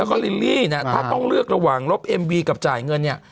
แล้วก็ลิลลี่เนี่ยถ้าต้องเลือกระหว่างลบเอ็มวีกับจ่ายเงินเนี่ย